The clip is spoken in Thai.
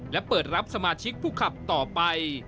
และเปิดรับสมาชิกผู้ขับต่อไป